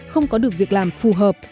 không có được việc làm phù hợp